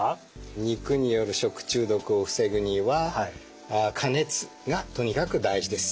肉による食中毒を防ぐには加熱がとにかく大事です。